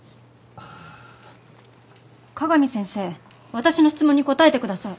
私の質問に答えてください。